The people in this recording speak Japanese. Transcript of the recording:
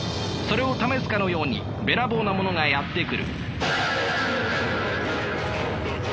それを試すかのようにべらぼうなものがやって来る。